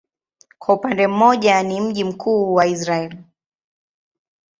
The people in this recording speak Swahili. Kwa upande mmoja ni mji mkuu wa Israel.